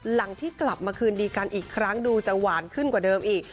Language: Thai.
หลังที่กลับมาคืนดีกันอีกครั้งดูจะหวานขึ้นกว่าเดิมอีก